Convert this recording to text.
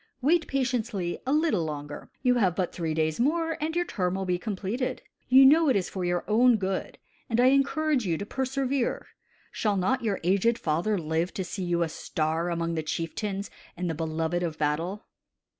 Wait patiently a little longer. You have but three days more, and your term will be completed. You know it is for your own good, and I encourage you to persevere. Shall not your aged father live to see you a star among the chieftains and the beloved of battle?"